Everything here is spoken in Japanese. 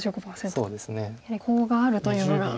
やはりコウがあるというのが。